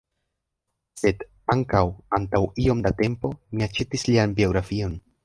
Sed, ankaŭ, antaŭ iom da tempo, mi aĉetis lian biografion.